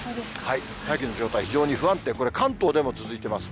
大気の状態、非常に不安定、これ関東でも続いてます。